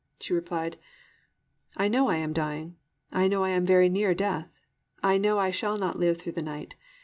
She replied, "I know I am dying. I know I am very near death. I know I shall not live through the night.